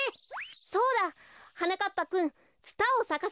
そうだ！はなかっぱくんツタをさかせてください。